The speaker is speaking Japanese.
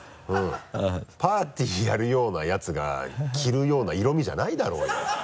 パーティーやるようなやつが着るような色味じゃないだろうよ。